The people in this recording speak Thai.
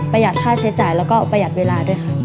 ประหยัดค่าใช้จ่ายและประหยัดเวลาด้วยค่ะ